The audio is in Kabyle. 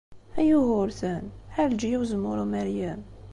A Yugurten! A Ɛelǧiya n Uzemmur Umeryem!